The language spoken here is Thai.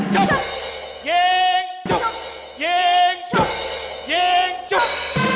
ยิงจุ๊บยิงจุ๊บยิงจุ๊บ